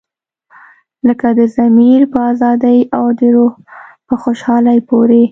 لکه د ضمیر په ازادۍ او د روح په خوشحالۍ پورې.